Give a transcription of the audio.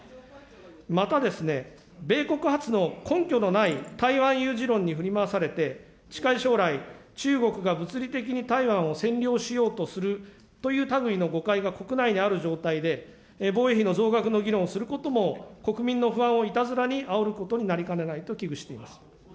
またですね、米国発の根拠のない台湾有事論に振り回されて、近い将来、中国が物理的に台湾を占領しようとするという類の誤解が国内にある状態で、防衛費の増額の議論をすることも、国民の不安をいたずらにあおることになりかねないと危惧しています。